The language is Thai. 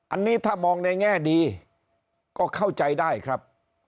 อันนี้ถ้ามองในแง่ดีก็เข้าใจได้ครับ